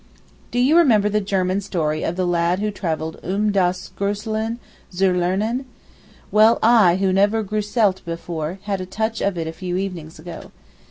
Do you remember the German story of the lad who travelled um das Grüseln zu lernen? Well, I, who never grüselte before, had a touch of it a few evenings ago.